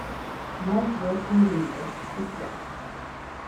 Northwestern University Press.